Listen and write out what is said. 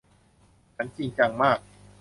ฉันจริงจังมาก